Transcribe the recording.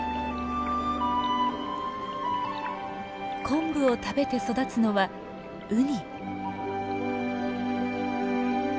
コンブを食べて育つのはウニ。